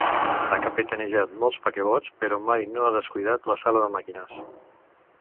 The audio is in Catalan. Ha capitanejat molts paquebots, però mai no ha descuidat la sala de màquines.